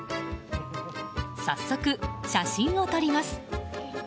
早速、写真を撮ります。